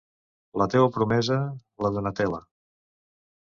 La teua promesa, la Donatella.